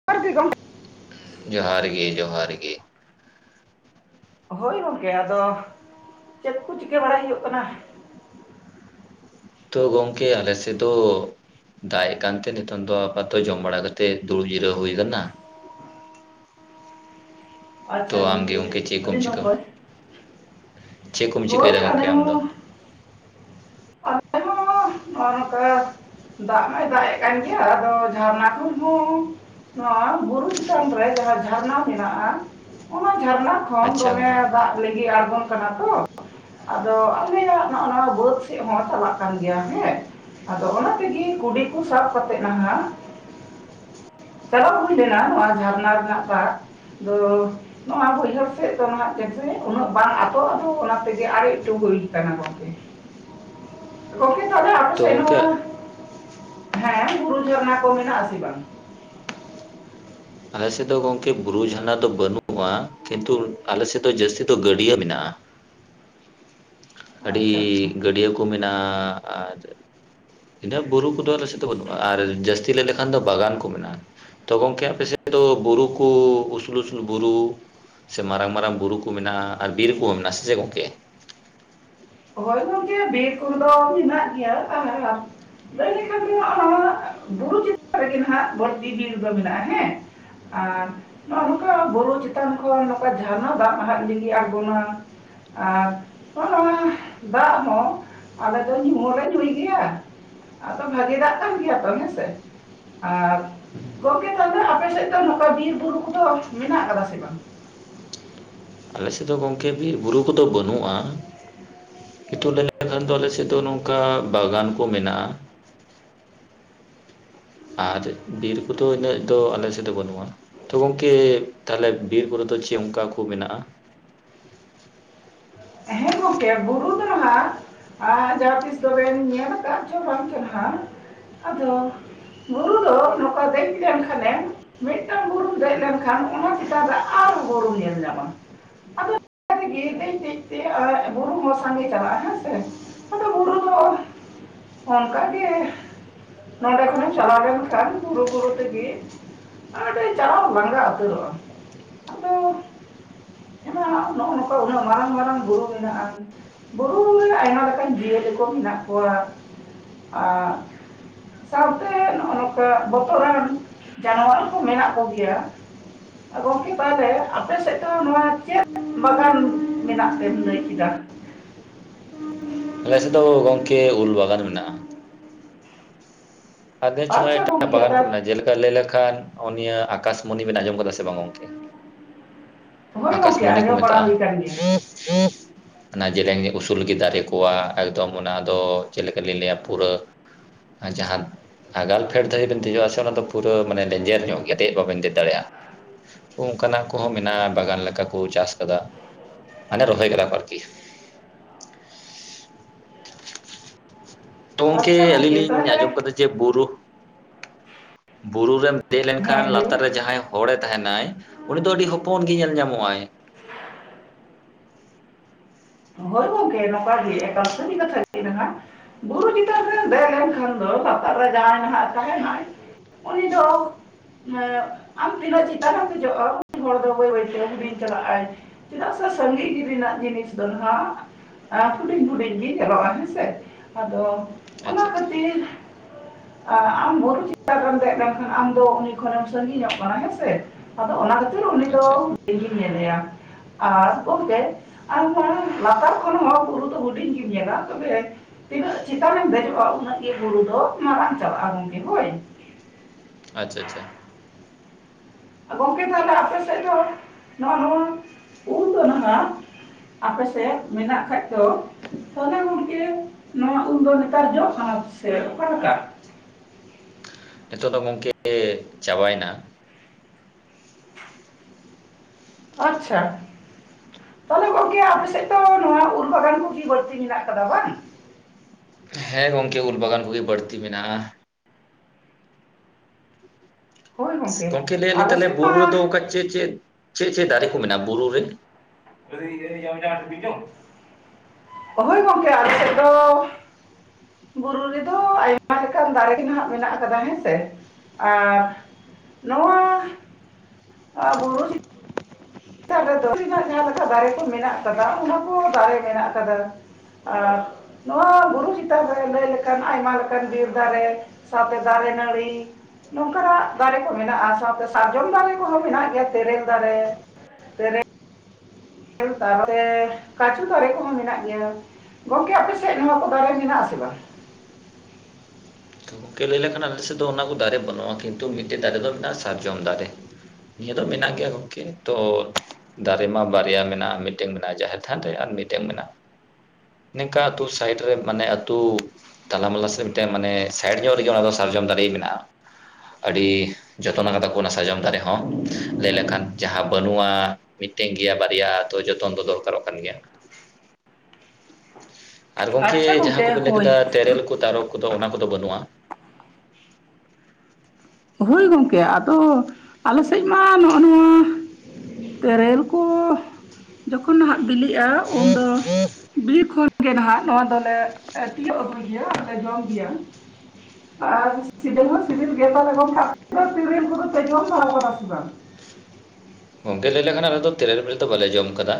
[unintelligible] ᱡᱚᱦᱟᱨ ᱜᱤ ᱡᱚᱦᱟᱨ ᱜᱤ᱾ ᱦᱳᱭ ᱜᱚᱝᱠᱮ ᱟᱫᱚ, ᱪᱮᱫ ᱠᱚ ᱪᱤᱠᱟᱹ ᱵᱟᱲᱟᱭ ᱦᱩᱭᱩᱜ ᱠᱟᱱᱟ? ᱱᱤᱛᱚᱜ ᱜᱚᱢᱠᱮ ᱟᱞᱮ ᱥᱮ ᱫᱚ ᱫᱟᱜ ᱮ ᱠᱟᱱᱛᱮ ᱱᱤᱛᱚᱝ ᱫᱚ ᱟᱯᱟᱛᱚᱛᱚ ᱡᱚᱢ ᱵᱟᱲᱟ ᱠᱟᱛᱮᱫ ᱫᱩᱲᱩᱵ ᱡᱤᱨᱟᱹᱣ ᱦᱩᱭ ᱠᱟᱱᱟ᱾ ᱟᱪᱪᱷᱟ ᱛᱚ ᱟᱢᱜᱮ ᱜᱚᱝᱠᱮ ᱜᱚᱢᱠᱮ ᱪᱮᱫ ᱟᱹᱰᱤ ᱠᱚᱢ ᱪᱤᱠᱟᱹ ᱱᱟᱯᱟᱭ᱾ ᱪᱮᱫ ᱠᱚᱢ ᱦᱳᱭ ᱪᱤᱠᱟᱹᱭᱫᱟ ᱜᱚᱢᱠᱮ ᱟᱞᱮ ᱟᱢ ᱫᱚ? ᱦᱚᱸ ᱱᱚ ᱱᱚᱝᱠᱟ ᱫᱟᱜ ᱢᱟᱭ ᱫᱟᱜ ᱮᱫ ᱠᱟᱱ ᱜᱮᱭᱟ ᱟᱫᱚ ᱡᱷᱟᱨᱱᱟ ᱠᱷᱚᱱ ᱦᱚᱸ ᱱᱚᱣᱟ ᱵᱩᱨᱩ ᱪᱮᱛᱟᱱ ᱨᱮ ᱡᱟᱦᱟᱸ ᱡᱷᱟᱨᱱᱟ ᱢᱮᱱᱟᱜ-ᱟ, ᱚᱱᱟ ᱡᱷᱟᱨᱱᱟ ᱟᱪᱪᱷᱟ ᱫᱚᱢᱮ ᱜᱚᱢᱠᱮ ᱫᱟᱜ ᱞᱤᱸᱜᱤᱱ ᱟᱬᱜᱚᱱ ᱠᱟᱱᱟ ᱛᱚ, ᱟᱫᱚ ᱟᱞᱮᱭᱟᱜ ᱱᱚ ᱱᱚᱣᱟ ᱵᱟᱹᱫ ᱥᱮᱜ ᱦᱚᱸ ᱪᱟᱞᱟᱜ ᱠᱟᱱ ᱜᱮᱭᱟ ᱦᱮᱸ᱾ ᱟᱫᱚ ᱚᱱᱟ ᱛᱮᱜᱮ ᱠᱩᱰᱤ ᱠᱚ ᱥᱟᱵ ᱠᱟᱛᱮᱜ ᱱᱟᱦᱟᱸᱜ ᱪᱟᱞᱟᱣ ᱦᱩᱭ ᱞᱮᱱᱟ ᱱᱚᱣᱟ ᱡᱷᱟᱨᱱᱟ ᱨᱮᱱᱟᱜ [inaudible] ᱫᱚ ᱱᱚᱣᱟ ᱵᱟᱹᱭᱦᱟᱹᱲ ᱥᱮᱫ ᱫᱚ ᱦᱟᱸᱜ ᱡᱮᱭᱥᱮ ᱩᱱᱟᱹᱜ ᱵᱟᱝ ᱟᱫᱚᱜ-ᱟ ᱫᱚ ᱚᱱᱟ ᱛᱮᱜᱮ ᱟᱨᱮᱡ ᱮᱠᱴᱩ ᱦᱩᱭ ᱠᱟᱱᱟ ᱜᱚᱝᱠᱮ᱾ ᱜᱚᱢᱠᱮ ᱛᱟᱦᱚᱞᱮ ᱟᱯᱮ ᱛᱚ ᱥᱮᱫ ᱜᱚᱢᱠᱮ ᱱᱚᱣᱟ ᱦᱮᱸ ᱵᱩᱨᱩ ᱡᱷᱟᱨᱱᱟ ᱠᱚ ᱢᱮᱱᱟᱜ-ᱟ ᱥᱮ ᱵᱟᱝ? ᱟᱞᱮ ᱥᱮᱫ ᱫᱚ ᱜᱚᱝᱠᱮ ᱵᱩᱨᱩ ᱡᱷᱟᱨᱱᱟ ᱫᱚ ᱵᱟᱹᱱᱩᱜ-ᱟ ᱠᱤᱱᱛᱩ ᱟᱞᱮ ᱥᱮᱫ ᱫᱚ ᱡᱟᱹᱥᱛᱤ ᱫᱚ ᱜᱟᱹᱰᱭᱟᱹ ᱢᱮᱱᱟᱜ-ᱟ᱾ [inaudible] ᱞ [unintelligible] ᱟᱹᱰᱤ ᱜᱟᱹᱰᱭᱟᱹ ᱠᱚ ᱢᱮᱱᱟᱜ-ᱟ, ᱟᱨ ᱩᱱᱟᱹᱜ ᱵᱩᱨᱩ ᱠᱚᱫᱚ ᱟᱞᱮ ᱥᱮᱫ ᱫᱚ ᱵᱟᱹᱱᱩᱜ-ᱟ, ᱟᱨ ᱡᱟᱹᱥᱛᱤ ᱞᱟᱹᱭ ᱞᱮᱠᱷᱟᱱ ᱫᱚ ᱵᱟᱜᱟᱱ ᱠᱚ ᱢᱮᱱᱟᱜ-ᱟ᱾ ᱛᱚ ᱜᱚᱢᱠᱮ ᱟᱯᱮ ᱥᱮᱫ ᱫᱚ ᱵᱩᱨᱩ ᱠᱚ ᱩᱥᱩᱞ ᱩᱥᱩᱞ ᱵᱩᱨᱩ ᱥᱮ ᱢᱟᱨᱟᱝ ᱢᱟᱨᱟᱝ ᱵᱩᱨᱩ ᱠᱚ ᱢᱮᱱᱟᱜ-ᱟ, ᱟᱨ ᱵᱤᱨ ᱠᱚᱦᱚᱸ ᱢᱮᱱᱟᱜ-ᱟ, ᱥᱮ ᱪᱮᱫ ᱜᱚᱢᱠᱮ? ᱦᱳᱭ ᱜᱚᱝᱠᱮ ᱵᱤᱨ ᱠᱚᱫᱚ ᱢᱮᱱᱟᱜ ᱜᱮᱭᱟ, ᱟᱨ ᱞᱟᱹᱭ ᱞᱮᱠᱷᱟᱱ ᱫᱚ ᱱᱟᱜ ᱱᱚᱣᱟ ᱵᱩᱨᱩ ᱪᱮᱛᱟᱱ ᱨᱮᱜᱮ ᱱᱟᱜ ᱵᱟᱹᱲᱛᱤ ᱵᱤᱨ ᱫᱚ ᱢᱮᱱᱟᱜ-ᱟ ᱦᱮᱸ ᱾ ᱟᱨ ᱱᱚᱝᱠᱟ ᱵᱩᱨᱩ ᱪᱮᱛᱟᱱ ᱠᱷᱚᱱ ᱱᱚᱝᱠᱟ ᱡᱷᱟᱨᱱᱟ ᱫᱟᱜ ᱦᱟᱸᱜ ᱞᱟᱹᱜᱤ ᱟᱬᱜᱟᱹᱱᱟ ᱾ ᱟᱨ [unintelligible] ᱫᱟᱜ ᱦᱚᱸ ᱟᱞᱮ ᱫᱚ ᱧᱩᱸᱦᱚᱸᱞᱮ ᱧᱩᱸᱭ ᱜᱮᱭᱟ ᱾ ᱟᱫᱚ ᱵᱷᱟᱜᱮ ᱫᱟᱜ ᱠᱟᱱ ᱜᱮᱭᱟ ᱛᱚ ᱦᱮᱸᱥᱮ ᱾ ᱟᱨ ᱜᱚᱝᱠᱮ ᱛᱟᱦᱚᱞᱮ ᱟᱯᱮ ᱥᱮᱫ ᱫᱚ ᱱᱚᱝᱠᱟ ᱵᱤᱨ ᱵᱩᱨᱩ ᱠᱚ ᱫᱚ ᱢᱮᱱᱟᱜ ᱠᱟᱫᱟ ᱥᱮ ᱵᱟᱝ? ᱟᱞᱮ ᱥᱮᱫ ᱫᱚ ᱜᱚᱢᱠᱮ ᱵᱩᱨᱩ ᱠᱚᱫᱚ ᱵᱟᱹᱱᱩᱜ-ᱟ ᱾ ᱠᱤᱱᱛᱩ ᱞᱟᱹᱭ ᱞᱮᱠᱷᱟᱱ ᱫᱚ ᱟᱞᱮᱥᱮᱫ ᱫᱚ ᱱᱚᱝᱠᱟ ᱵᱟᱜᱟᱱ ᱠᱚ ᱢᱮᱱᱟᱜ-ᱟ ᱾ ᱟᱨ ᱵᱤᱨ ᱠᱚᱫᱚ ᱤᱱᱟᱹᱜ ᱫᱚ ᱟᱞᱮ ᱥᱮᱫ ᱫᱚ ᱵᱟᱹᱱᱩᱜ-ᱟ ᱾ ᱛᱚ ᱜᱚᱢᱠᱮ ᱛᱟᱦᱚᱞᱮ ᱵᱤᱨ ᱵᱩᱨᱩ ᱫᱚ ᱪᱮᱫ ᱚᱱᱠᱟ ᱠᱚ ᱢᱮᱱᱟᱜ-ᱟ? ᱜᱚᱢᱠᱮ ᱵᱩᱨᱩ ᱱᱟᱦᱟᱸᱜ ᱟᱨ ᱡᱟᱦᱟᱸ ᱛᱤᱥ ᱛᱚᱵᱮᱢ ᱧᱮᱞ ᱠᱟᱜ ᱪᱚᱝ ᱵᱟᱝ ᱪᱚᱝ ᱱᱟᱜ ᱟᱫᱚ ᱵᱩᱨᱩ ᱫᱚ ᱱᱚᱝᱠᱟ ᱫᱮᱜ ᱞᱮᱱᱠᱷᱟᱱᱮᱢ ᱢᱤᱜᱴᱟᱝ ᱵᱩᱨᱩᱢ ᱫᱮᱜ ᱞᱮᱱ ᱠᱷᱟᱱ ᱚᱱᱟ ᱪᱮᱛᱟᱱ ᱨᱮ ᱟᱨᱚ ᱵᱩᱨᱩᱢ ᱧᱮᱞ ᱧᱟᱢᱟ᱾ ᱟᱫᱚ [inaudible] ᱫᱮᱜ ᱛᱮ [unintelligible] ᱵᱩᱨᱩ ᱦᱚᱸ ᱥᱟᱸᱜᱮ ᱪᱟᱞᱟᱜᱼᱟ ᱦᱮᱸ ᱥᱮ ᱟᱫᱚ ᱵᱩᱨᱩ ᱫᱚ, ᱚᱝᱟᱜᱮ ᱱᱚᱸᱰᱮ ᱠᱷᱚᱱᱮᱢ ᱪᱟᱞᱟᱣ ᱞᱮᱱᱠᱷᱟᱱ ᱵᱩᱨᱩ ᱵᱩᱨᱩ ᱛᱮᱜᱮ ᱟᱹᱰᱤ ᱪᱟᱞᱟᱣ ᱞᱟᱸᱜᱟ ᱩᱛᱟᱹᱨᱚᱜᱼᱟᱢ ᱟᱫᱚ ᱚᱱᱟ ᱱᱚᱜᱼᱚ ᱱᱚᱝᱠᱟ ᱩᱱᱟᱹᱜ ᱢᱟᱨᱟᱝ ᱢᱟᱨᱟᱝ ᱵᱩᱨᱩ ᱢᱮᱱᱟᱜᱼᱟ᱾ ᱵᱩᱨᱩ ᱨᱮ ᱟᱭᱢᱟ ᱞᱮᱠᱟᱱ ᱡᱤᱭᱟᱹᱞᱤ ᱠᱚ ᱢᱮᱱᱟᱜ ᱠᱚᱣᱟ, ᱟ ᱥᱟᱶᱛᱮ ᱱᱚᱜ ᱱᱚᱝᱠᱟ ᱵᱚᱛᱚᱨᱟᱱ ᱡᱟᱱᱣᱟᱨ ᱠᱚ ᱢᱮᱱᱟᱜ ᱠᱚ ᱜᱮᱭᱟ᱾ ᱜᱚᱝᱠᱮ ᱛᱟᱦᱚᱞᱮ ᱟᱯᱮ ᱥᱮᱜ ᱫᱚ ᱱᱚᱣᱟ ᱪᱮᱫ ᱵᱟᱜᱟᱱ ᱢᱮᱱᱟᱜ ᱛᱮᱢ ᱞᱟᱹᱭ ᱠᱮᱫᱟ? ᱞᱮᱥᱮᱜ ᱫᱚ ᱜᱚᱝᱠᱮ ᱩᱞ ᱵᱟᱜᱟᱱ ᱢᱮᱱᱟᱜᱼᱟ᱾ ᱟᱫᱚ ᱪᱷᱟᱞᱟ ᱟᱪᱪᱷᱟ ᱮᱴᱟᱜ ᱜᱚᱢᱠᱮ ᱵᱟᱜᱟᱱ ᱠᱚ ᱛᱟ ᱢᱮᱱᱟᱜᱼᱟ ᱡᱮᱞᱮᱠᱟ ᱞᱟᱹᱭ ᱞᱮᱠᱷᱟᱱ ᱱᱚᱜᱼᱚᱱᱤᱭᱟᱹ ᱟᱠᱟᱥᱢᱚᱱᱤ ᱵᱮᱱ ᱟᱸᱡᱚᱢ ᱠᱟᱫᱟ ᱥᱮ ᱵᱟᱝ ᱜᱚᱝᱠᱮ? ᱦᱳᱭ ᱜᱚᱢᱠᱮ ᱟᱠᱟᱥᱢᱚᱱᱤ ᱠᱚ ᱟᱸᱡᱚᱢ ᱵᱟᱲᱟ ᱢᱮᱛᱟᱜᱼᱟ᱾ ᱦᱩᱭ ᱠᱟᱱ ᱜᱮᱭᱟ ᱚᱱᱟ ᱡᱮᱞᱮᱧ ᱩᱥᱩᱞ ᱜᱮ ᱫᱟᱨᱮ ᱠᱚᱣᱟ ᱮᱠᱫᱚᱢ ᱚᱱᱟᱫᱚ ᱪᱮᱜ ᱞᱮᱠᱟᱞᱤᱧ ᱞᱟᱹᱭᱟ ᱯᱩᱨᱟᱹ ᱟ ᱡᱟᱦᱟᱱ ᱟᱜᱟᱞ ᱯᱷᱮᱰ ᱫᱷᱟᱹᱨᱤ ᱡᱩᱫᱤᱢ ᱫᱮᱡᱚᱜᱼᱟ ᱥᱮ ᱚᱱᱟ ᱫᱚ ᱯᱩᱨᱟᱹ ᱢᱟᱱᱮ ᱞᱮᱧᱡᱮᱨᱧᱚᱜ ᱜᱮᱭᱟ ᱫᱮᱜ ᱵᱟᱵᱮᱱ ᱫᱮᱜ ᱫᱟᱲᱮᱭᱟᱜᱼᱟ᱾ ᱚᱝᱠᱟᱱᱟᱜ ᱠᱚᱦᱚᱸ ᱢᱮᱱᱟᱜᱼᱟ᱾ ᱵᱟᱜᱟᱱ ᱞᱮᱠᱟ ᱠᱚ ᱪᱟᱥ ᱠᱟᱫᱟ ᱢᱟᱱᱮ ᱨᱚᱦᱚᱭ ᱠᱟᱫᱟ ᱠᱚ ᱟᱨᱠᱤ᱾ [inaudible] ᱛᱚ ᱜᱚᱝᱠᱮ ᱟᱪᱪᱷᱟ ᱟᱹᱞᱤᱧ ᱜᱚᱢᱠᱮ ᱞᱤᱧ ᱛᱟᱦᱚᱞᱮ ᱟᱸᱡᱚᱢ ᱠᱟᱫᱟ ᱡᱮ ᱵᱩᱨᱩᱜ ᱵᱩᱨᱩ ᱨᱮᱢ ᱫᱮᱜ ᱞᱮᱱᱠᱷᱟᱱ ᱦᱮᱸ ᱞᱟᱹᱭ ᱢᱮ ᱞᱟᱛᱟᱨ ᱨᱮ ᱡᱟᱦᱟᱸᱭ ᱦᱚᱲᱮ ᱛᱟᱦᱮᱸᱱᱟᱭ ᱩᱱᱤ ᱫᱚ ᱟᱹᱰᱤ ᱦᱚᱯᱚᱱ ᱜᱮ ᱧᱮᱞ ᱧᱟᱢᱚᱜ ᱟᱭ᱾ ᱦᱳᱭ ᱜᱚᱝᱠᱮ ᱱᱚᱝᱠᱟ ᱜᱮ ᱮᱴᱟ ᱥᱟᱹᱨᱤ ᱠᱟᱛᱷᱟ [inaudible] ᱢᱮᱱᱟ ᱵᱩᱨᱩ ᱪᱮᱛᱟᱱ ᱨᱮᱢ ᱫᱮᱜ ᱞᱮᱱᱠᱷᱟᱱ ᱫᱚ ᱞᱟᱛᱟᱨ ᱨᱮ ᱡᱟᱦᱟᱸᱭ ᱱᱟᱜ ᱛᱟᱦᱮᱸᱱᱟᱭ ᱩᱱᱤ ᱫᱚ, ᱤᱭᱟᱹ ᱟᱢ ᱛᱤᱱᱟᱹᱜ ᱪᱮᱛᱟᱱᱮᱢ ᱫᱮᱡᱚᱜᱼᱟ ᱩᱱᱤ ᱦᱚᱲ ᱫᱚ ᱵᱟᱹᱭ ᱵᱟᱹᱭᱛᱮ ᱦᱩᱰᱤᱧ ᱪᱟᱞᱟᱜᱼᱟᱭ᱾ ᱪᱮᱫᱟᱜ ᱥᱮ ᱥᱟᱺᱜᱤᱧ ᱨᱮᱱᱟᱜ ᱡᱤᱱᱤᱥ ᱫᱚ ᱟᱸ ᱟᱛᱩᱨᱮᱱ ᱠᱚ ᱦᱩᱸᱰᱤᱧ ᱦᱩᱸᱰᱤᱧ ᱪᱟᱵᱟᱜᱼᱟ ᱦᱮᱸᱥᱮ ᱟᱫᱚ, ᱚᱱᱟ ᱟᱪᱪᱷᱟ ᱟᱪᱪᱷᱟ ᱠᱷᱟᱹᱛᱤᱨ ᱟ ᱟᱢ ᱵᱩᱨᱩ ᱪᱮᱛᱟᱱ ᱨᱮᱢ ᱫᱮᱜ ᱞᱮᱱᱠᱷᱟᱱ ᱟᱢᱫᱚ ᱩᱱᱤ ᱠᱷᱚᱱᱮᱢ ᱥᱟᱺᱜᱤᱧᱚᱜ ᱠᱟᱱᱟ ᱦᱮᱸᱥᱮ᱾ ᱟᱫᱚ ᱚᱱᱟ ᱠᱷᱟᱹᱛᱤᱨ ᱩᱱᱤ ᱫᱚ ᱟᱪᱪᱷᱟ ᱦᱩᱰᱤᱧᱮᱢ ᱧᱮᱞᱮᱭᱟ ᱟᱨ ᱜᱚᱝᱠᱮ ᱟᱢ ᱞᱟᱛᱟᱨ ᱠᱷᱚᱱ ᱦᱚᱸ ᱵᱩᱨᱩ ᱫᱚ ᱦᱩᱸᱰᱤᱧ ᱜᱮᱢ ᱧᱮᱞᱟ ᱛᱚᱵᱮ ᱛᱤᱱᱟᱹᱜ ᱪᱮᱛᱟᱱᱮᱢ ᱫᱮᱡᱚᱜᱼᱟ ᱩᱱᱟᱹᱜ ᱜᱮ ᱵᱩᱨᱩ ᱫᱚ ᱢᱟᱨᱟᱝ ᱪᱟᱞᱟᱜᱼᱟ ᱜᱚᱝᱠᱮ ᱦᱳᱭ᱾ ᱟᱪᱪᱷᱟ ᱟᱪᱪᱷᱟ᱾ ᱜᱚᱝᱠᱮ ᱛᱟᱦᱚᱞᱮ ᱟᱯᱮ ᱥᱮᱜ ᱫᱚ ᱱᱚᱜᱼᱚ ᱱᱚᱣᱟ ᱩᱞ ᱫᱚ [unintelligible] ᱟᱯᱮᱥᱮᱜ ᱢᱮᱱᱟᱜ ᱠᱷᱟᱭ ᱫᱚ ᱛᱟᱦᱚᱞᱮ ᱜᱚᱝᱠᱮ ᱱᱚᱣᱟ ᱩᱞ ᱫᱚ ᱱᱮᱛᱟᱨ ᱡᱚᱜ ᱠᱟᱱᱟ ᱥᱮ ᱚᱠᱟᱞᱮᱠᱟ? ᱱᱤᱛᱚᱜ ᱫᱚ ᱜᱚᱝᱠᱮ ᱪᱟᱵᱟᱭᱱᱟ᱾ ᱟᱪᱪᱷᱟ, ᱛᱟᱦᱚᱞᱮ ᱜᱚᱝᱠᱮ ᱟᱯᱮᱥᱮᱜ ᱫᱚ ᱱᱚᱣᱟ ᱩᱞ ᱵᱟᱜᱟᱱ ᱠᱚᱜᱤ ᱵᱟᱹᱲᱛᱤ ᱢᱮᱱᱟᱜ ᱠᱟᱫᱟ ᱵᱟᱝ? ᱦᱮᱸ ᱜᱚᱝᱠᱮ ᱩᱞ ᱵᱟᱜᱟᱱ ᱠᱚᱜᱮ ᱵᱟᱹᱲᱛᱤ ᱢᱮᱱᱟᱜᱼᱟ᱾ ᱦᱳᱭ ᱜᱚᱝᱠᱮ ᱞᱟᱹᱭᱮᱜ ᱟᱹᱞᱤᱧ ᱟᱞᱮ ᱛᱟᱦᱚᱞᱮ ᱥᱮᱫ ᱢᱟ ᱵᱩᱨᱩ ᱨᱮᱫᱚ ᱚᱠᱟ ᱪᱮᱜ ᱪᱮᱜ ᱪᱮᱫ ᱪᱮᱜ ᱫᱟᱨᱮ ᱠᱚ ᱢᱮᱱᱟᱜᱼᱟ ᱵᱩᱨᱩ ᱨᱮ? [unintelligible] ᱚᱦᱚᱭ ᱜᱚᱝᱠᱮ ᱟᱞᱮᱥᱮᱜ ᱫᱚ, ᱵᱩᱨᱩ ᱨᱮᱫᱚ ᱟᱭᱢᱟ ᱞᱮᱠᱟᱱ ᱫᱟᱨᱮ ᱱᱷᱟᱸᱜ ᱢᱮᱱᱟᱜ ᱟᱠᱟᱫᱟ ᱦᱮᱸᱥᱮ ᱟᱨ ᱱᱚᱶᱟ ᱟᱹᱻᱵᱩ ᱪᱮᱫ ᱫᱟᱨᱮ ᱫᱚ, ᱫᱷᱟᱹᱨᱛᱤ ᱨᱮᱡᱟᱜ ᱡᱟᱦᱟᱸ ᱞᱮᱠᱟ ᱫᱟᱨᱮ ᱠᱚ ᱢᱮᱱᱟᱜ ᱟᱠᱟᱫᱟ ᱚᱱᱟ ᱠᱚ ᱫᱟᱨᱮ ᱢᱮᱱᱟᱜ ᱟᱠᱟᱫᱟ᱾ ᱟᱨ ᱱᱚᱣᱟ ᱵᱩᱨᱩ ᱪᱮᱛᱟᱱ ᱨᱮ ᱞᱟᱹᱭ ᱞᱮᱠᱷᱟᱱ ᱟᱭᱢᱟ ᱞᱮᱠᱟᱱ ᱵᱤᱨ ᱫᱟᱨᱮ ᱥᱟᱶᱛᱮ ᱫᱟᱨᱮ ᱱᱟᱹᱲᱤ ᱱᱚᱝᱠᱟ ᱱᱟᱜ ᱫᱟᱨᱮ ᱠᱚ ᱢᱮᱱᱟᱜᱼᱟ ᱥᱟᱶᱛᱮ ᱥᱟᱨᱡᱚᱢ ᱫᱟᱨᱮ ᱠᱚᱦᱚᱸ ᱢᱮᱱᱟᱜ ᱜᱮᱭᱟ ᱛᱮᱨᱮᱞ ᱫᱟᱨᱮ ᱛᱮᱨᱮ [inaudible] ᱮᱞ ᱛᱟᱛᱮ ᱠᱟᱪᱩ ᱫᱟᱨᱮ ᱠᱚᱦᱚᱸ ᱢᱮᱱᱟᱜ ᱜᱮᱭᱟ᱾ ᱜᱚᱝᱠᱮ ᱟᱯᱮ ᱥᱮᱫ ᱱᱚᱣᱟ ᱠᱚ ᱫᱟᱨᱮ ᱢᱮᱱᱟᱜᱼᱟ ᱥᱮ ᱵᱟᱝ? ᱛᱚ ᱜᱚᱝᱠᱮ ᱞᱟᱹᱭ ᱞᱮᱠᱷᱟᱱ ᱟᱞᱮᱥᱮᱫ ᱫᱚ ᱚᱱᱟ ᱠᱚ ᱫᱟᱨᱮ ᱵᱟᱹᱱᱩᱜᱼᱟ, ᱠᱤᱱᱛᱩ ᱢᱤᱫᱴᱮᱡ ᱫᱟᱨᱮ ᱫᱚ ᱢᱮᱱᱟᱜᱼᱟ ᱥᱟᱨᱡᱚᱢ ᱫᱟᱨᱮ᱾ ᱱᱤᱭᱟᱹ ᱫᱚ ᱢᱮᱱᱟᱜ ᱜᱮᱭᱟ ᱜᱚᱝᱠᱮ ᱛᱚ ᱫᱟᱨᱮ ᱢᱟ ᱵᱟᱨᱭᱟ ᱢᱮᱱᱟᱜᱼᱟ, ᱢᱤᱫᱴᱟᱹᱝ ᱢᱮᱱᱟᱜᱼᱟ ᱡᱟᱦᱮᱨ ᱛᱷᱟᱱ ᱨᱮ ᱟᱨ ᱢᱤᱫᱴᱟᱹᱝ ᱢᱮᱱᱟᱜᱼᱟ ᱱᱮᱝᱠᱟ ᱟᱛᱳ ᱥᱟᱭᱤᱰ ᱨᱮ ᱢᱟᱱᱮ ᱟᱹᱛᱩ ᱛᱟᱞᱟᱢᱟᱞᱟ ᱥᱮ ᱢᱤᱫᱴᱟᱝ ᱢᱟᱱᱮ ᱥᱟᱭᱤᱰ ᱧᱚᱜ ᱨᱮᱜᱮ ᱚᱱᱟ ᱫᱚ ᱥᱟᱨᱡᱚᱢ ᱫᱟᱨᱮ ᱢᱮᱱᱟᱜᱼᱟ, ᱟᱹᱰᱤ ᱡᱚᱛᱚᱱ ᱟᱠᱟ ᱫᱟᱠᱚ ᱚᱱᱟ ᱥᱟᱨᱡᱚᱢ ᱫᱟᱨᱮ ᱦᱚᱸ ᱞᱟᱹᱭ ᱞᱮᱠᱷᱟᱱ ᱡᱟᱦᱟᱸ ᱵᱟᱹᱱᱩᱜᱼᱟ ᱢᱤᱫᱴᱮᱝ ᱜᱮᱭᱟ ᱵᱟᱨᱭᱟ ᱟᱛᱚ ᱡᱚᱛᱚᱱ ᱫᱚ ᱫᱚᱨᱠᱟᱨᱚᱜ ᱠᱟᱱ ᱜᱮᱭᱟ᱾ [inaudible] ᱟᱨ ᱜᱚᱝᱠᱮ ᱟᱪᱪᱷᱟ ᱡᱟᱦᱟᱸ ᱠᱚᱯᱮ ᱞᱟᱹᱭ ᱦᱳᱭ ᱠᱮᱫᱟ ᱛᱮᱨᱮᱞ ᱠᱚ ᱛᱟᱨᱚᱵ ᱠᱚᱫᱚ ᱚᱱᱟ ᱠᱚᱫᱚ ᱵᱟᱹᱱᱩᱜᱼᱟ᱾ ᱦᱳᱭ ᱜᱚᱝᱠᱮ ᱟᱫᱚ ᱟᱞᱮ ᱥᱮᱡ ᱢᱟ ᱱᱚᱜᱼᱱᱚᱣᱟ ᱛᱮᱨᱮᱞ ᱠᱚᱻᱦ ᱡᱚᱠᱷᱚᱱ ᱱᱷᱟᱸᱜ ᱵᱤᱞᱤᱜᱼᱟ ᱩᱱᱫᱚ ᱵᱤᱨ ᱠᱷᱚᱱ ᱜᱮ ᱱᱷᱟᱸᱜ ᱱᱚᱣᱟ ᱫᱚᱞᱮ ᱮᱸ ᱛᱤᱭᱳᱜ ᱟᱹᱜᱩᱭ ᱜᱮᱭᱟ ᱟᱨ ᱞᱮ ᱡᱚᱢ ᱜᱮᱭᱟ᱾ ᱟᱨ ᱥᱤᱵᱤᱞ ᱢᱟ ᱥᱤᱵᱤᱞ ᱜᱮ ᱛᱟᱦᱚᱞᱮ ᱜᱚᱝ [unintelligible] ᱟᱯᱮ ᱫᱚ ᱛᱤᱨᱤᱞ ᱠᱚᱫᱚ ᱯᱮ ᱡᱚᱢ ᱫᱷᱟᱣ ᱠᱟᱫᱟ ᱥᱮ ᱵᱟᱝ? ᱜᱚᱝᱜᱮ ᱞᱟᱹᱭ ᱞᱮᱠᱷᱟᱱ ᱟᱞᱮ ᱫᱚ ᱛᱮᱨᱮᱞ ᱵᱤᱞᱤ ᱫᱚ ᱵᱟᱞᱮ ᱡᱚᱢ ᱟᱠᱟᱫᱟ᱾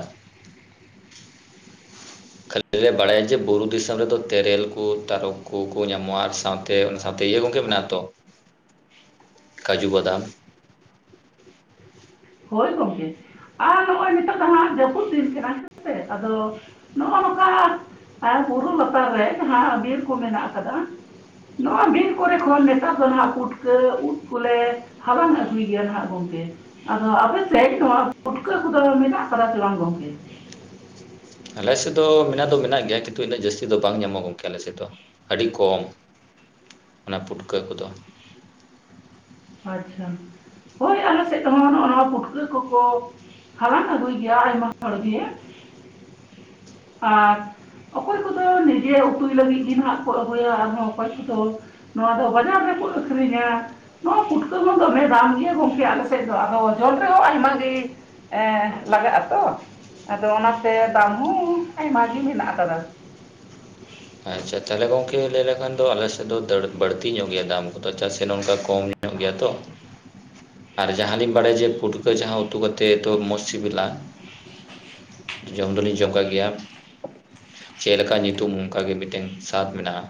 [inaudible] ᱠᱷᱟᱹᱞᱤ ᱞᱮ ᱵᱟᱰᱟᱭᱟ ᱡᱮ ᱵᱩᱨᱩ ᱫᱤᱥᱚᱢ ᱨᱮᱫᱚ ᱛᱮᱨᱮᱞ ᱠᱚ ᱛᱟᱨᱚᱵ ᱠᱚ ᱠᱚ ᱧᱟᱢᱚᱜᱼᱟ ᱟᱨ ᱥᱟᱶ- ᱛᱮ ᱚᱱᱟ ᱥᱟᱶᱛᱮ ᱤᱭᱟᱹ ᱜᱚᱝᱠᱮ ᱢᱮᱱᱟᱜᱼᱟ ᱛᱚ [inaudible] ᱠᱟᱹᱡᱩ ᱵᱟᱫᱟᱢ ᱦᱳᱭ ᱜᱚᱝᱠᱮ᱾ ᱟᱨ ᱱᱚᱜᱼᱚᱭ ᱱᱤᱛᱚᱜ ᱫᱚ ᱦᱟᱸᱜ ᱡᱟᱹᱯᱩᱫ ᱫᱤᱱ ᱠᱟᱱᱟ ᱦᱮᱸ ᱥᱮ ᱟᱫᱚ ᱱᱚᱜᱼᱚᱼᱱᱚᱸᱠᱟ ᱱᱷᱟᱸᱜ ᱟᱨ ᱵᱩᱨᱩ ᱞᱟᱛᱟᱨ ᱨᱮ ᱡᱟᱦᱟᱸ ᱵᱤᱨ ᱠᱚ ᱢᱮᱱᱟᱜ ᱟᱠᱟᱫᱟ ᱱᱚᱶᱟ ᱵᱤᱨ ᱠᱚᱨᱮ ᱠᱷᱚᱱ ᱱᱮᱛᱟᱨ ᱫᱚ ᱱᱷᱟᱸᱜ ᱯᱩᱴᱠᱟᱹ ᱩᱫ ᱠᱚᱞᱮ ᱦᱟᱞᱟᱝ ᱟᱹᱜᱩᱭ ᱜᱮᱭᱟ ᱱᱷᱟᱸᱜ ᱜᱚᱝᱠᱮ᱾ ᱟᱫᱚ ᱟᱯᱮ ᱥᱟᱹᱭᱤᱰ ᱱᱚᱣᱟ ᱯᱩᱴᱠᱟᱹ ᱠᱚᱫᱚ ᱢᱮᱱᱟᱜ ᱟᱠᱟᱫᱟ ᱥᱮ ᱵᱟᱝ ᱜᱚᱝᱠᱮ? ᱟᱞᱮ ᱥᱮᱫ ᱫᱚ ᱢᱮᱱᱟᱜ ᱫᱚ ᱢᱮᱱᱟᱜ ᱜᱮᱭᱟ ᱠᱤᱱᱛᱩ ᱤᱱᱟᱹᱜ ᱡᱟᱹᱥᱛᱤ ᱫᱚ ᱵᱟᱝ ᱧᱟᱢᱚᱜ ᱜᱚᱝᱠᱮ ᱟᱞᱮ ᱥᱮᱫ ᱫᱚ, ᱟᱹᱰᱤ ᱠᱚᱢ ᱚᱱᱟ ᱯᱩᱴᱠᱟᱹ ᱠᱚᱫᱚ᱾ ᱟᱪᱪᱷᱟ᱾ ᱦᱳᱭ ᱟᱞᱮ ᱥᱮᱫ ᱫᱚ ᱦᱟᱸᱜ ᱱᱚᱜᱼᱚᱼᱱᱚᱣᱟ ᱯᱩᱴᱠᱟᱹ ᱠᱚᱠᱚ ᱦᱟᱞᱟᱝ ᱟᱹᱜᱩᱭ ᱜᱮᱭᱟ ᱟᱭᱢᱟ ᱦᱚᱲ ᱜᱮ, ᱟᱨ ᱚᱠᱚᱭ ᱠᱚᱫᱚ ᱱᱤᱡᱟᱹ ᱩᱛᱩᱭ ᱞᱟᱹᱜᱤᱫ ᱜᱮ ᱱᱷᱟᱸᱜ ᱠᱚ ᱟᱹᱜᱩᱭᱟ ᱟᱨᱦᱚᱸ ᱚᱠᱚᱭ ᱠᱚᱫᱚ ᱱᱚᱣᱟ ᱫᱷᱚ ᱵᱟᱡᱟᱨ ᱨᱮᱠᱚ ᱟᱹᱠᱷᱨᱤᱧᱟ, ᱱᱚᱣᱟ ᱯᱩᱴᱠᱟᱹ ᱦᱚᱸ ᱫᱚᱢᱮ ᱫᱟᱢ ᱜᱮᱭᱟ ᱜᱚᱝᱠᱮ ᱟᱞᱮ ᱥᱮᱫ ᱫᱚ, ᱟᱫᱚ ᱡᱚᱢ ᱨᱮᱦᱚᱸ ᱟᱭᱢᱟ ᱜᱮ ᱮᱸ ᱞᱟᱜᱟᱜᱼᱟ ᱛᱚ ᱟᱫᱚ ᱚᱱᱟᱛᱮ ᱫᱟᱢ ᱦᱚᱸ ᱟᱭᱢᱟ ᱜᱮ ᱢᱮᱱᱟᱜ ᱟᱠᱟᱫᱟ᱾ ᱟᱪ-ᱪᱷᱟ ᱛᱟᱦᱚᱞᱮ ᱜᱚᱝᱠᱮ ᱞᱟᱹᱭ ᱞᱮᱠᱷᱟᱱ ᱫᱚ ᱟᱞᱮ ᱥᱮᱫ ᱫᱚ ᱫᱟᱹᱲ ᱵᱟᱹᱲᱛᱤ ᱧᱚᱜ ᱜᱮᱭᱟ ᱫᱟᱢ ᱠᱚᱫᱚ ᱪᱟᱜ ᱥᱮ ᱱᱚᱝᱠᱟ ᱠᱚᱢ ᱧᱚᱜ ᱜᱮᱭᱟ ᱛᱚ᱾ ᱟᱨ ᱡᱟᱦᱟᱸ ᱞᱤᱧ ᱵᱟᱲᱟᱭᱟ ᱡᱮ ᱯᱩᱴᱠᱟᱹ ᱡᱟᱦᱟᱸ ᱩᱛᱩ ᱠᱟᱛᱮ ᱛᱚ ᱢᱚᱸᱥ ᱥᱤᱵᱤᱞᱟ᱾ [inaudible] ᱡᱚᱢ ᱫᱚᱞᱤᱧ ᱡᱚᱢ ᱠᱟᱜ ᱜᱮᱭᱟ, ᱪᱮᱞᱠᱟ ᱧᱩᱛᱩᱢ ᱚᱱᱠᱟ ᱜᱮ ᱢᱤᱴᱮᱱ ᱥᱟᱫᱽ ᱢᱮᱱᱟᱜᱼᱟ᱾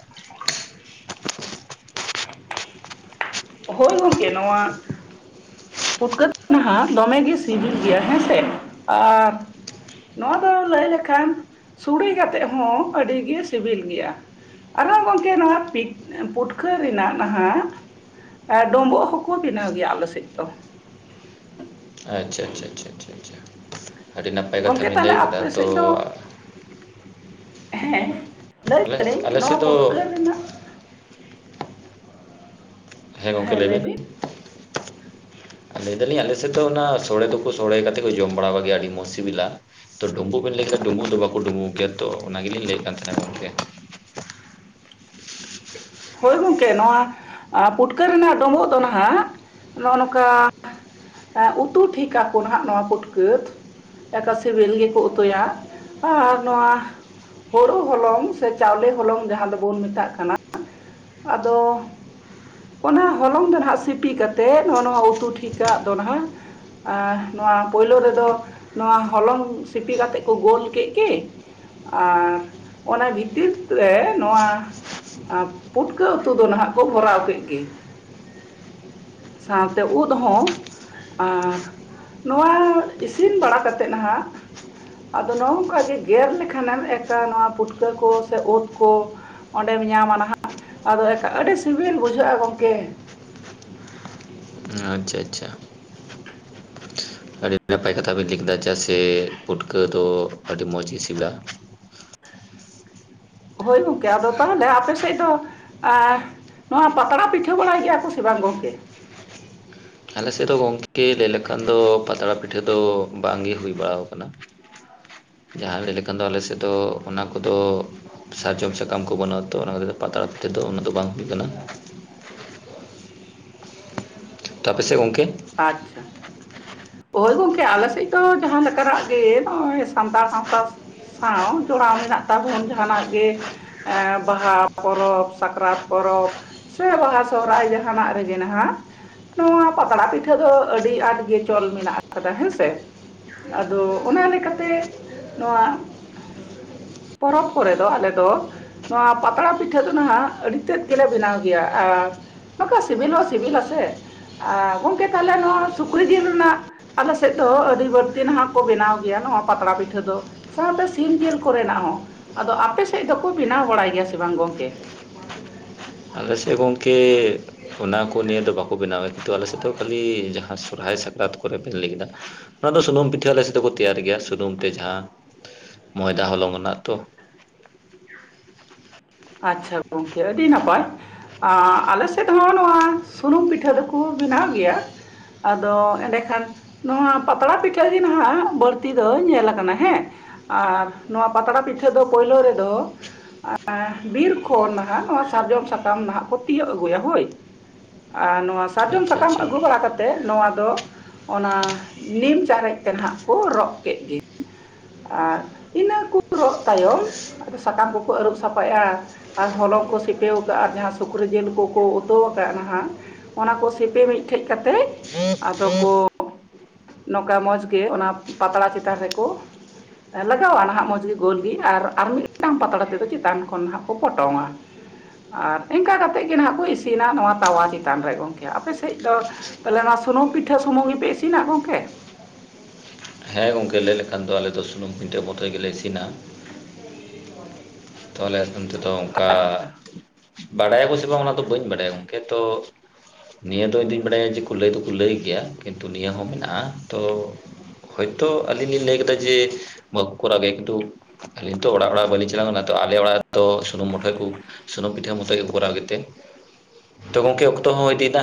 ᱦᱳᱭ ᱜᱚᱢᱠᱮ, ᱱᱚᱣᱟ ᱯᱩᱴᱠᱟᱹ [unintelligible] ᱫᱚᱢᱮ ᱜᱮ ᱥᱤᱵᱤᱞ ᱜᱮᱭᱟ ᱦᱮᱸ ᱥᱮ, ᱟᱨ ᱱᱚᱣᱟ ᱫᱚ ᱞᱟᱹᱭ ᱞᱮᱠᱷᱟᱱ ᱥᱩᱲᱮ ᱠᱟᱛᱮᱜ ᱦᱚᱸ ᱟᱹᱰᱤ ᱜᱮ ᱥᱮᱵᱮᱞ ᱜᱮᱭᱟ᱾ ᱟᱨᱦᱚᱸ ᱜᱚᱝᱠᱮ ᱱᱚᱣᱟ ᱯᱤ ᱯᱩᱴᱠᱷᱟᱹ ᱨᱮᱱᱟᱜ ᱱᱟᱦᱟᱜ ᱮᱹ ᱰᱳᱵᱳᱜ ᱦᱚᱸᱠᱚ ᱵᱮᱱᱟᱣ ᱜᱮᱭᱟ ᱟᱞᱮ ᱥᱮᱡ ᱫᱚ᱾ ᱟᱪ-ᱪᱷᱟ ᱟᱪ-ᱪᱷᱟ ᱪᱷᱟ ᱪᱷᱟ ᱪᱷᱟ ᱟᱹᱰᱤ ᱱᱟᱯᱟᱭ ᱠᱟᱛᱷᱟ ᱜᱚᱝᱠᱮ ᱵᱤᱱ ᱛᱟᱦᱚᱞᱮ ᱞᱟᱹᱭ ᱠᱟᱫᱟ, ᱟᱯᱮ ᱛᱚ ᱥᱮᱫ ᱫᱚ ᱦᱮᱸ ᱞᱟᱹᱭ ᱟᱞᱮ [unintelligible] ᱟᱞᱮ ᱱᱚᱣᱟ ᱥᱮᱫ ᱯᱩᱴᱠᱟᱹ ᱫᱚ ᱨᱮᱱᱟᱜ ᱦᱮᱸ ᱞᱟᱹᱭ ᱵᱤᱱ᱾ ᱞᱟᱹᱭ ᱫᱟᱞᱤᱧ ᱟᱞᱮ ᱥᱮ ᱫᱚ ᱚᱱᱟ ᱥᱚᱲᱮ ᱫᱚᱠᱚ ᱥᱚᱲᱮ ᱠᱟᱛᱮ ᱠᱚ ᱡᱚᱢ ᱵᱟᱲᱟ ᱠᱟ ᱜᱮᱭᱟ ᱟᱹᱰᱤ ᱢᱚᱸᱥ ᱥᱤᱵᱤᱞᱟ᱾ ᱛᱚ ᱰᱩᱸᱵᱩᱜ ᱵᱮᱱ ᱞᱟᱹᱭ ᱠᱮ ᱰᱩᱵᱩᱜ ᱫᱚ ᱵᱟᱠᱚ ᱰᱩᱵᱩᱜ ᱜᱮᱭᱟ ᱛᱚ ᱚᱱᱟ ᱜᱮᱞᱤᱧ ᱞᱟᱹᱭᱮᱜ ᱠᱟᱱ ᱛᱟᱦᱮᱜ ᱜᱚᱢᱠᱮ᱾ ᱦᱳᱭ ᱜᱚᱝᱠᱮ ᱱᱚᱣᱟ ᱟ ᱯᱩᱴᱠᱟᱹ ᱨᱮᱱᱟᱜ ᱰᱳᱵᱳᱜ ᱫᱚ ᱱᱟᱦᱟᱜ ᱱᱚᱜᱼᱚ ᱱᱚᱠᱟ ᱮᱸ ᱩᱛᱩ ᱴᱷᱤᱠ ᱟᱠᱚ ᱱᱟᱜ ᱱᱚᱣᱟ ᱯᱩᱴᱠᱟᱹ ᱮᱠᱟ ᱥᱤᱵᱤᱞ ᱜᱮᱠᱚ ᱩᱛᱩᱭᱟ, ᱟᱨ ᱱᱚᱣᱟ ᱦᱳᱲᱳ ᱦᱚᱞᱚᱝ ᱥᱮ ᱪᱟᱣᱞᱮ ᱦᱚᱞᱚᱝ ᱡᱟᱦᱟᱸ ᱫᱚᱵᱚᱱ ᱢᱮᱛᱟᱜ ᱠᱟᱱᱟ᱾ ᱟᱫᱚ ᱚᱱᱟ ᱦᱚᱞᱚᱝ ᱫᱚ ᱱᱟᱦᱟᱜ ᱥᱤᱯᱤ ᱠᱟᱛᱮ ᱱᱚᱼᱚ ᱱᱚᱣᱟ ᱩᱛᱩ ᱴᱷᱤᱠᱟᱜ ᱫᱚ ᱱᱟᱜ ᱟ ᱱᱚᱣᱟ ᱯᱳᱭᱞᱳ ᱨᱮᱫᱚ ᱱᱚᱣᱟ ᱦᱚᱞᱚᱝ ᱥᱤᱯᱤ ᱠᱟᱛᱮᱜ ᱠᱚ ᱜᱳᱞ ᱠᱮᱜ ᱜᱮ᱾ ᱟᱸ ᱚᱱᱟ ᱵᱷᱤᱛᱤᱛ ᱨᱮ ᱱᱚᱣᱟ ᱟᱸ ᱯᱩᱴᱠᱟᱹ ᱩᱛᱩ ᱫᱚ ᱱᱟᱦᱟᱜ ᱠᱚ ᱵᱷᱚᱨᱟᱣ ᱠᱮᱜ ᱜᱮ᱾ ᱥᱟᱶᱛᱮ ᱩᱫᱽ ᱦᱚᱸ᱾ ᱟᱨ ᱱᱚᱣᱟ ᱤᱥᱤᱱ ᱵᱟᱲᱟ ᱠᱟᱛᱮ ᱱᱟᱦᱟᱸᱜ᱾ ᱟᱫᱚ ᱱᱚᱝᱠᱟ ᱜᱮ ᱜᱮᱨ ᱞᱮᱠᱷᱟᱱᱮᱢ ᱮᱠᱟ ᱱᱚᱣᱟ ᱯᱩᱴᱠᱟᱹ ᱠᱚ ᱥᱮ ᱳᱛ ᱠᱚ ᱚᱸᱰᱮᱢ ᱧᱟᱢᱟ ᱱᱟᱦᱟᱜ ᱟᱫᱚ ᱮᱠᱟ ᱟᱹᱰᱤ ᱥᱤᱵᱤᱞ ᱵᱩᱡᱷᱟᱹᱜᱼᱟ ᱜᱚᱢᱠᱮ᱾ ᱟᱸᱪᱷᱟ ᱟᱪᱪᱷᱟ᱾ ᱟᱹᱰᱤ ᱱᱟᱯᱟᱭ ᱠᱟᱛᱷᱟ ᱵᱤᱱ ᱞᱟᱹᱭ ᱠᱮᱫᱟ ᱪᱟᱜ ᱥᱮ ᱯᱩᱴᱠᱟᱹ ᱫᱚ ᱟᱹᱰᱤ ᱢᱚᱸᱡᱽ ᱜᱮ ᱥᱤᱵᱤᱞᱟ᱾ ᱦᱳᱭ ᱜᱚᱝᱠᱮ ᱟᱫᱚ ᱛᱟᱦᱚᱞᱮ ᱟᱯᱮ ᱥᱮᱡ ᱫᱚ ᱟ ᱱᱚᱣᱟ ᱯᱟᱛᱲᱟ ᱯᱤᱴᱷᱟᱹ ᱵᱟᱲᱟᱭ ᱜᱮᱭᱟ ᱠᱚ ᱥᱮ ᱵᱟᱝ ᱜᱚᱝᱠᱮ? ᱟᱞᱮ ᱥᱮᱫᱚ ᱜᱚᱝᱠᱮ ᱞᱟᱹᱭ ᱞᱮᱠᱷᱟᱱ ᱫᱚ ᱯᱟᱛᱲᱟ ᱯᱤᱴᱷᱟᱹ ᱫᱚ ᱵᱟᱝ ᱜᱮ ᱦᱩᱭ ᱵᱟᱲᱟᱣ ᱠᱟᱱᱟ᱾ [inaudible] ᱡᱟᱦᱟᱸ ᱞᱟᱹᱭ ᱞᱮᱠᱷᱟᱱ ᱫᱚ ᱟᱞᱮ ᱥᱮᱡ ᱫᱚ ᱚᱱᱟ ᱠᱚᱫᱚ ᱥᱟᱨᱡᱚᱢ ᱥᱟᱠᱟᱢ ᱠᱚ ᱵᱟᱹᱱᱳᱜᱼᱟ ᱛᱚ ᱚᱱᱟ ᱠᱷᱟᱹᱛ ᱛᱮ ᱯᱟᱛᱲᱟ ᱯᱤᱴᱷᱟᱹ ᱫᱚ ᱩᱱᱟᱹᱜ ᱫᱚ ᱵᱟᱝ ᱦᱩᱭᱩᱜ ᱠᱟᱱᱟ᱾ ᱛᱚ ᱟᱯᱮᱥᱮ ᱜᱚᱢᱠᱮ? ᱟᱪ-ᱪᱷᱟ᱾ ᱳᱭ ᱜᱚᱝᱠᱮ ᱟᱞᱮ ᱥᱮᱡ ᱫᱚ ᱡᱟᱦᱟᱸ ᱞᱮᱠᱟᱱᱟᱜ ᱜᱮ ᱱᱚᱜᱼᱚᱭ ᱥᱟᱱᱛᱟᱲ ᱥᱟᱶᱛᱟ ᱥᱟᱶ ᱡᱚᱲᱟᱣ ᱢᱮᱱᱟᱜ ᱛᱟᱵᱚᱱ ᱡᱟᱦᱟᱱᱟᱜ ᱜᱮ ᱮᱸ ᱵᱟᱦᱟ ᱯᱚᱨᱚᱵᱽ ᱥᱟᱠᱨᱟᱛ ᱯᱚᱨᱚᱵᱽ᱾ ᱥᱮ ᱵᱟᱦᱟ ᱥᱚᱦᱨᱟᱭ ᱡᱟᱦᱟᱱᱟᱜ ᱨᱮᱜᱮ ᱱᱟᱦᱟᱜ ᱱᱚᱣᱟ ᱯᱟᱛᱲᱟ ᱯᱤᱴ ᱴᱷᱟᱹ ᱫᱚ ᱟᱹᱰᱤ ᱟᱴ ᱜᱮ ᱪᱚᱞ ᱢᱮᱱᱟᱜ ᱟᱠᱟᱫᱟ ᱦᱮᱸᱥᱮ᱾ ᱟᱫᱚ ᱚᱱᱟ ᱞᱮᱠᱟᱛᱮ ᱱᱚᱣᱟ ᱯᱚᱨᱚᱯ ᱠᱚᱨᱮ ᱫᱚ ᱟᱞᱮ ᱫᱚ ᱱᱚᱣᱟ ᱯᱟᱛᱲᱟ ᱯᱤᱴᱷᱟᱹ ᱫᱚ ᱱᱟᱦᱟᱜ ᱟᱹᱰᱤ ᱛᱮᱫ ᱜᱮᱞᱮ ᱵᱮᱱᱟᱣ ᱜᱮᱭᱟ, ᱟᱨ ᱱᱚᱠᱟ ᱥᱤᱵᱤᱞᱚᱜ-ᱟ ᱥᱤᱵᱤᱞᱟᱥᱮ, ᱟᱨ ᱜᱚᱝᱠᱮ ᱛᱟᱦᱞᱮ ᱟᱨ ᱱᱚᱣᱟ ᱥᱩᱠᱨᱤ ᱡᱤᱞ ᱨᱮᱱᱟᱜ ᱟᱞᱮ ᱥᱮᱫ ᱫᱚ ᱟᱹᱰᱤ ᱵᱟᱹᱲᱛᱤ ᱱᱟᱦᱟᱜ ᱠᱚ ᱵᱮᱱᱟᱣ ᱜᱮᱭᱟ ᱱᱚᱣᱟ ᱯᱟᱛᱲᱟ ᱯᱤᱴᱷᱟᱹ ᱫᱚ᱾ ᱥᱟᱶᱛᱮ ᱥᱤᱢ ᱡᱤᱞ ᱠᱚᱨᱮᱱᱟᱜ ᱦᱚᱸ᱾ ᱟᱫᱚ ᱟᱯᱮ ᱥᱮᱫ ᱫᱚᱠᱚ ᱵᱮᱱᱟᱣ ᱵᱟᱲᱟᱭ ᱜᱮᱭᱟ ᱥᱮ ᱵᱟᱝ ᱜᱚᱝᱠᱮ? [unintelligible] ᱟᱞᱮ ᱥᱮᱫ ᱜᱚᱝᱠᱮ ᱚᱱᱟ ᱠᱚ ᱱᱤᱭᱟᱹ ᱫᱚ ᱵᱟᱠᱚ ᱵᱮᱱᱟᱣᱟ᱾ ᱠᱤᱱᱛᱩ ᱟᱞᱮ ᱥᱮᱫ ᱫᱚ ᱠᱷᱟᱹᱞᱤ ᱡᱟᱦᱟᱸ ᱥᱚᱨᱦᱟᱭ ᱥᱟᱠᱨᱟᱛ ᱠᱚᱨᱮ ᱵᱮᱱ ᱞᱟᱹᱭ ᱠᱮᱫᱟ ᱛᱟᱦᱞᱮ ᱥᱩᱱᱩᱢ ᱯᱤᱴᱷᱟᱹ ᱟᱞᱮ ᱥᱮ ᱫᱚ ᱠᱚ ᱛᱮᱭᱟᱨ ᱜᱮᱭᱟ, ᱥᱩᱱᱩᱢ ᱛᱮ ᱡᱟᱦᱟᱸ ᱢᱚᱭᱫᱟ ᱦᱚᱞᱚᱝ ᱨᱮᱱᱟᱜ ᱛᱚ᱾ ᱟᱪᱪᱷᱟ ᱜᱚᱝᱠᱮ ᱟᱹᱰᱤ ᱱᱟᱯᱟᱭ᱾ ᱟᱸ ᱟᱞᱮ ᱥᱮᱫ ᱦᱚᱸ ᱱᱚᱣᱟ ᱥᱩᱱᱩᱢ ᱯᱤᱴᱷᱟᱹ ᱫᱚᱠᱚ ᱵᱮᱱᱟᱣ ᱜᱮᱭᱟ᱾ ᱟᱫᱚ ᱮᱸᱰᱮ ᱠᱷᱟᱱ ᱱᱚᱣᱟ ᱯᱟᱛᱲᱟ ᱯᱤᱴᱷᱟᱹ ᱜᱮ ᱱᱟᱦᱟᱜ ᱵᱟᱹᱲᱛᱤ ᱫᱚ ᱧᱮᱞ ᱟᱠᱟᱱᱟ ᱦᱮᱸ᱾ ᱟᱨ ᱱᱚᱣᱟ ᱯᱟᱛᱲᱟ ᱯᱤᱴᱷᱟᱹ ᱫᱚ ᱯᱳᱭᱞᱳ ᱨᱮᱫᱚ ᱟᱸᱻ ᱵᱤᱨ ᱠᱷᱚᱱ ᱱᱟᱦᱟᱜ ᱱᱚᱣᱟ ᱥᱟᱨᱡᱚᱢ ᱥᱟᱠᱟᱢ ᱱᱟᱦᱟᱜ ᱠᱚ ᱛᱤᱭᱟᱹᱜ ᱟᱹᱜᱩᱭᱟ ᱦᱳᱭ, ᱟᱨ ᱱᱚᱣᱟ ᱥᱟᱨᱡᱚᱢ ᱟᱪᱪᱷᱟ ᱥᱟᱠᱟᱢ ᱟᱪᱪᱷᱟ ᱟᱹᱜᱩ ᱵᱟᱲᱟ ᱠᱟᱛ ᱛᱚ ᱱᱚᱣᱟ ᱫᱚ ᱚᱱᱟ ᱱᱤᱢ ᱪᱟᱨᱮᱡ ᱛᱮ ᱱᱟᱦᱟᱜ ᱠᱚ ᱨᱚᱜ ᱠᱮᱜ ᱜᱮ᱾ ᱟᱨ ᱤᱱᱟᱹ ᱠᱚ ᱨᱚᱜ ᱛᱟᱭᱚᱢ ᱟᱫᱚ ᱥᱟᱠᱟᱢ ᱠᱚᱠᱚ ᱟᱹᱨᱩᱵ ᱥᱟᱯᱷᱟᱭᱟ᱾ ᱟᱨ ᱦᱚᱞᱚᱝ ᱠᱚ ᱥᱤᱯᱟᱹᱣ ᱠᱟᱜ-ᱟ, ᱟᱨ ᱡᱟᱦᱟᱸ ᱥᱩᱠᱨᱤ ᱡᱤᱞ ᱠᱚᱠᱚ ᱩᱛᱩ ᱠᱟᱜ-ᱟ ᱱᱟᱦᱟᱜ᱾ ᱚᱱᱟ ᱠᱚ ᱥᱤᱯᱤ ᱢᱤᱫᱴᱷᱮᱡ ᱠᱟᱛᱮᱜ ᱟᱫᱚ ᱠᱚ ᱱᱚᱝᱠᱟ ᱢᱚᱸᱡᱽ ᱜᱮ ᱚᱱᱟ ᱯᱟᱛᱲᱟ ᱪᱮᱛᱟᱱ ᱨᱮᱠᱚ ᱞᱟᱜᱟᱣᱟ ᱱᱟᱦᱟᱜ ᱢᱚᱡᱽ ᱜᱮ, ᱜᱳᱞ ᱜᱮ ᱟᱨ ᱟᱨᱚ ᱢᱤᱫᱴᱟᱝ ᱯᱟᱛᱲᱟ ᱛᱮᱫᱚ ᱪᱮᱛᱟᱱ ᱠᱷᱚᱱ ᱱᱟᱦᱟᱜ ᱠᱚ ᱯᱚᱴᱚᱢᱟ᱾ ᱟᱨ ᱮᱝᱠᱟ ᱠᱟᱛᱮᱜ ᱜᱮ ᱱᱟᱸᱦᱟᱜ ᱠᱚ ᱤᱥᱤᱱᱟ ᱱᱚᱣᱟ ᱛᱟᱣᱟ ᱪᱮᱛᱟᱱ ᱨᱮ ᱜᱚᱝᱠᱮ᱾ ᱟᱯᱮ ᱥᱮᱡ ᱫᱚ? ᱛᱟᱦᱞᱮ ᱚᱱᱟ ᱥᱩᱱᱩᱢ ᱯᱤᱴᱷᱟᱹ ᱥᱩᱢᱩᱝ ᱜᱮᱯᱮ ᱤᱥᱤᱱᱟ ᱜᱚᱝᱠᱮ? ᱦᱳᱭ ᱜᱚᱝᱠᱮ ᱞᱟᱹᱭ ᱞᱮᱠᱷᱟᱱ ᱫᱚ ᱟᱞᱮ ᱫᱚ ᱥᱩᱱᱩᱢ ᱯᱤᱴᱷᱟᱹ ᱢᱚᱛᱚᱡ ᱜᱮᱞᱮ ᱤᱥᱤᱱᱟ᱾ ᱛᱟᱦᱞᱮ ᱟᱯᱮ ᱚᱱᱛᱮ ᱫᱚ ᱚᱝᱠᱟ ᱟᱪᱪᱷᱟ ᱵᱟᱲᱟᱭᱟᱠᱚ ᱥᱮ ᱵᱟᱝ ᱚᱱᱟ ᱫᱚ ᱵᱟᱹᱧ ᱵᱟᱰᱟᱭᱟ ᱜᱚᱝᱠᱮ ᱛᱚ ᱱᱤᱭᱟᱹ ᱫᱚ ᱤᱧ ᱫᱩᱧ ᱵᱟᱰᱟᱭᱟ ᱡᱮᱠᱚ ᱞᱟᱹᱭ ᱫᱚᱠᱚ ᱞᱟᱹᱭ ᱜᱮᱭᱟ᱾ ᱠᱤᱱᱛᱩ ᱱᱤᱭᱟᱹ ᱦᱚᱸ ᱢᱮᱱᱟᱜ-ᱟ ᱛᱚ ᱦᱚᱭᱛᱳ ᱟᱹᱞᱤᱧ ᱞᱤᱧ ᱞᱟᱹᱭ ᱠᱮᱫᱟ ᱡᱮ ᱵᱟᱠᱚ ᱠᱚᱨᱟᱣ ᱮᱫᱟ ᱠᱤᱱᱛᱩ ᱟᱞᱤᱧ ᱛᱚ ᱚᱲᱟᱜ ᱚᱲᱟᱜ ᱵᱟᱹᱞᱤᱧ ᱪᱟᱞᱟᱣ ᱠᱟᱱᱟ᱾ ᱛᱚ ᱟᱞᱮ ᱚᱲᱟᱜ ᱨᱮᱫᱚ ᱥᱩᱱᱩᱢ ᱢᱚᱴᱷᱚᱡ ᱠᱚ, ᱥᱩᱱᱩᱢ ᱯᱤᱴᱷᱟᱹ ᱢᱚᱛᱚᱡ ᱜᱮᱠᱚ ᱠᱚᱨᱟᱣ ᱜᱮᱛᱮ᱾ ᱛᱚ, ᱜᱚᱝᱠᱮ ᱚᱠᱛᱚ ᱦᱚᱸ ᱦᱩᱭ ᱤᱫᱤᱱᱟ᱾